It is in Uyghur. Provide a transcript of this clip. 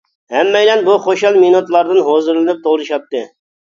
ھەممەيلەن بۇ خۇشال مىنۇتلاردىن ھۇزۇرلىنىپ توۋلىشاتتى.